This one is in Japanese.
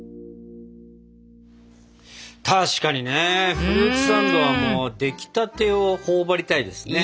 確かにねフルーツサンドはもうできたてを頬張りたいですね。